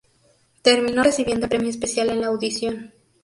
Terminó recibiendo el premio especial en la audición.